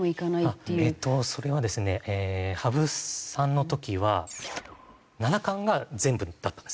それはですね羽生さんの時は七冠が全部だったんです。